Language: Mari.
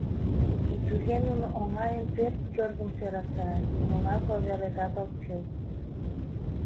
И туге нуно оҥайын пӧрт кӧргым сӧрастарат, нимогай ковёретат ок кӱл!